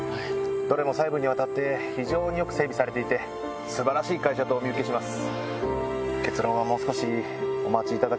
どれも細部にわたって非常によく整備されていて素晴らしい会社とお見受けします。